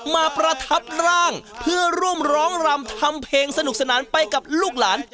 ประทับร่างเพื่อร่วมร้องรำทำเพลงสนุกสนานไปกับลูกหลาน